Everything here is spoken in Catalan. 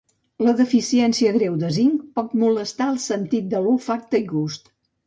La deficiència greu de zinc pot molestar el sentit de l'olfacte i gust.